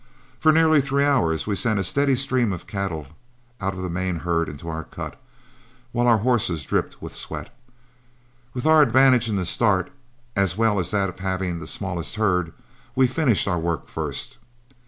For nearly three hours we sent a steady stream of cattle out of the main herd into our cut, while our horses dripped with sweat. With our advantage in the start, as well as that of having the smallest herd, we finished our work first.